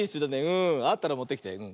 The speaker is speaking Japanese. あったらもってきて。